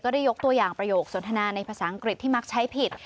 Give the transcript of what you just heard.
ได้ยกตัวอย่างประโยคสนทนาในภาษาอังกฤษที่มักใช้ผิด